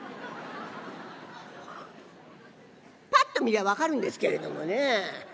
ぱっと見りゃ分かるんですけれどもね。